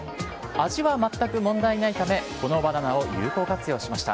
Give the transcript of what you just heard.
味は全く問題ないためこのバナナを有効活用しました。